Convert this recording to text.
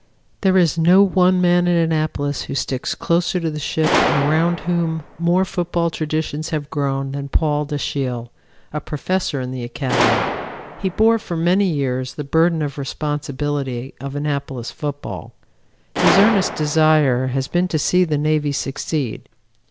There is no one man at Annapolis who sticks closer to the ship and around whom more football traditions have grown than Paul Dashiell, a professor in the Academy. He bore for many years the burden of responsibility of Annapolis football. His earnest desire has been to see the Navy succeed.